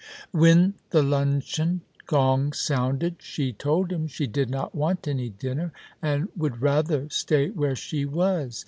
When the luncheon gong sounded she told him she did not want any dinner, and would rather stav where she was.